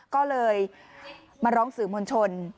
ก็เลยมาร้องสื่อมวลชน